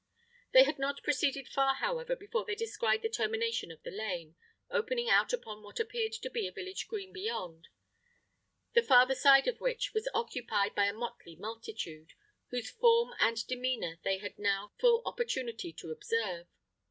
They had not proceeded far, however, before they descried the termination of the lane, opening out upon what appeared to be a village green beyond; the farther side of which was occupied by a motley multitude, whose form and demeanour they had now full opportunity to observe.